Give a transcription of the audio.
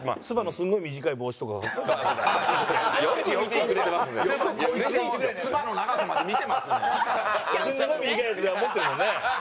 すごい短いやつ持ってるもんね。